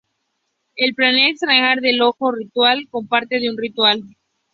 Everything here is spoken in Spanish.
Él planea extraer el ojo como parte de un ritual.